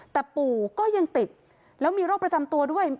แต่ปู่ก็ยังติดแล้วมีโรคประจำตัวด้วย